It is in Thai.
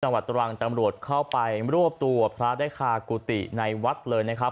จังหวัดตรังจำรวจเข้าไปรวบตัวพระได้คากุฏิในวัดเลยนะครับ